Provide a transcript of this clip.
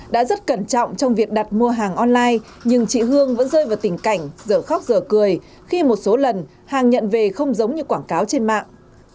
đã rất cẩn trọng trong việc đặt mua hàng online nhưng chị hương vẫn rơi vào tình cảnh dở khóc giờ cười khi một số lần hàng nhận về không giống như quảng cáo trên mạng